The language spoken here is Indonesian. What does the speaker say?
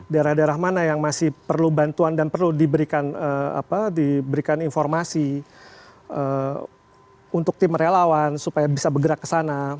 daerah daerah mana yang masih perlu bantuan dan perlu diberikan informasi untuk tim relawan supaya bisa bergerak ke sana